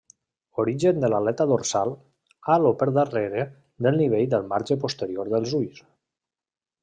Origen de l'aleta dorsal al o per darrere del nivell del marge posterior dels ulls.